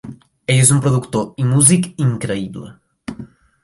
Ell és un productor i músic increïble.